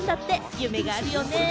夢があるよね！